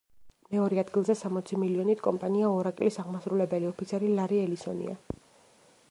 მეორე ადგილზე სამოცი მილიონით კომპანია „ორაკლის“ აღმასრულებელი ოფიცერი ლარი ელისონია.